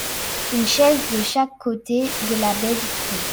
Une chaise de chaque côté de la baie vitrée.